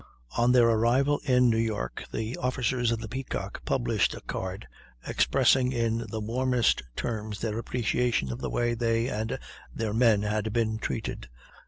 On their arrival at New York the officers of the Peacock published a card expressing in the warmest terms their appreciation of the way they and their men had been treated.